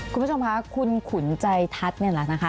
คุณผู้ชมค่ะคุณขุนใจทัศน์นี่แหละนะคะ